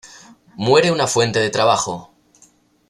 Muere una fuente de trabajo.